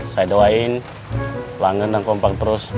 saya doain pelanggan dan kompak terus